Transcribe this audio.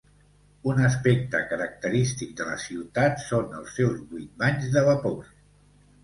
Un aspecte característic de la ciutat són els seus vuit banys de vapor.